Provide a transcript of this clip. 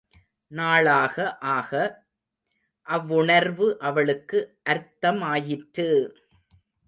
நாளாக ஆக அவ்வுணர்வு அவளுக்கு அர்த்தமாயிற்று!